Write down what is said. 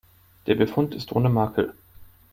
Der Befund ist ohne Makel.